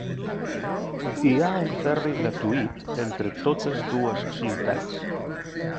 Hi ha un ferri gratuït entre totes dues ciutats.